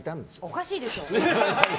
おかしいでしょ！